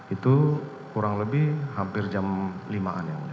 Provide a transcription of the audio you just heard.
itu kurang lebih hampir jam lima an yang mulia